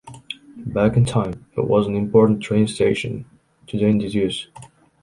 Back on time, it was an important train station, today in disuse.